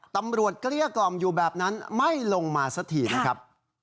เกลี้ยกล่อมอยู่แบบนั้นไม่ลงมาสักทีนะครับ